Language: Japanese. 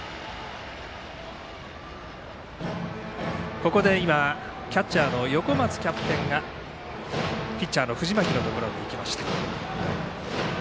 ここでキャッチャーの横松キャプテンがピッチャーの藤巻のところに行きました。